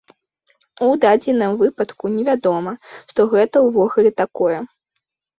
У дадзеным выпадку невядома, што гэта ўвогуле такое.